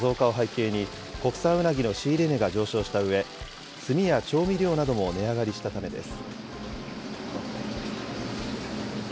養殖や輸送コストの増加を背景に、国産うなぎの仕入れ値が上昇したうえ、炭や調味料なども値上がりしたためです。